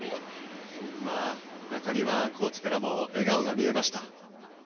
中庭コーチからも笑顔が見えました。